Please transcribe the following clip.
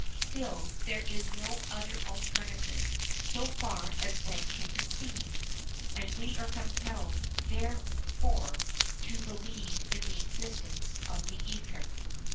Still, there is no other alternative, so far as men can conceive, and we are compelled, therefore, to believe in the existence of the ether.